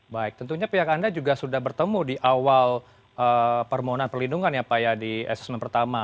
baik tentunya pihak anda juga sudah bertemu di awal permohonan perlindungan ya pak ya di asesmen pertama